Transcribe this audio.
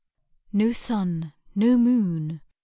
No sun no moon!